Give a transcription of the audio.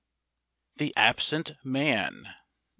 ] THE ABSENT MAN.